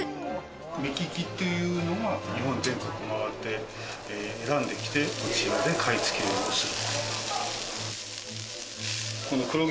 目利きっていうのが日本全国回って選んで、こちらで買い付けをする。